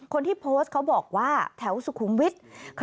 คนที่โพสต์เขาบอกว่าแถวสุขุมวิทย์